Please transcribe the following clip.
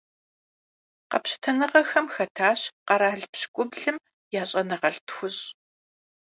Къэпщытэныгъэхэм хэтащ къэрал пщыкӏублым я щӀэныгъэлӀ тхущӏ.